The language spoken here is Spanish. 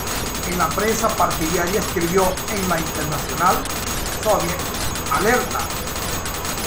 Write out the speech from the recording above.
En la prensa partidaria escribió en "La Internacional", "Soviet", "Alerta!